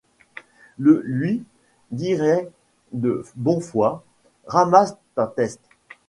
Ie luy diray de bon foye :« Ramasse ta teste.